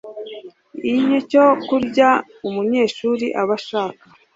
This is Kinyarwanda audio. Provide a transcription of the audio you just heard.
icyo kurya umunyeshuri aba ashaka